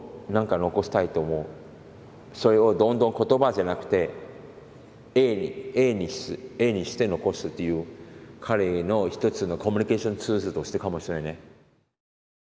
それをどんどん言葉じゃなくて絵にして残すという彼の一つのコミュニケーションツールとしてかもしれないね。